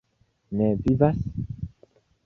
Ne Vivas?